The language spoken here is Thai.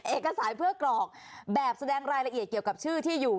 เอกสารเพื่อกรอกแบบแสดงรายละเอียดเกี่ยวกับชื่อที่อยู่